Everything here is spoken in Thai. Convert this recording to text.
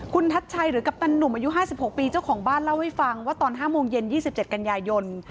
คุณทัชชัยหรือกัปตันหนุ่มอายุ๕๖ปีเจ้าของบ้านเล่าให้ฟังว่าตอน๕โมงเย็น๒๗กันยายน